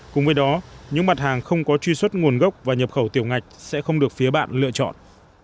cùng với đó những mặt hàng không có truy xuất nguồn gốc và nhập khẩu tiểu ngạch sẽ không được phía bạn lựa chọn